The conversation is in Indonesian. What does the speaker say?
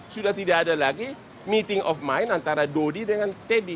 sudah tidak ada lagi meeting of mind antara dodi dengan teddy